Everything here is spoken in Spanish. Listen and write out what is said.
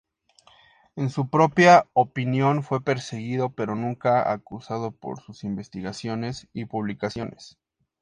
En su propia opinión, fue perseguido -pero nunca acusado- por sus investigaciones y publicaciones.